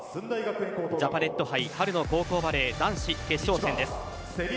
ジャパネット杯春の高校バレー男子決勝戦です。